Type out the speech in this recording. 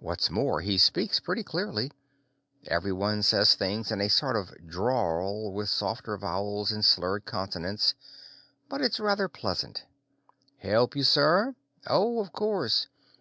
What's more, he speaks pretty clearly. Everyone says things in a sort of drawl, with softer vowels and slurred consonants, but it's rather pleasant. "Help you, sir? Oh, of course.